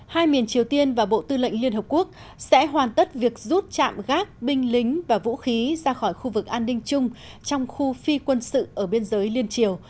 hai miền triều tiên và bộ tư lệnh liên hợp quốc sẽ hoàn tất việc rút chạm gác binh lính và vũ khí ra khỏi khu vực an ninh chung trong khu phi quân sự ở biên giới liên triều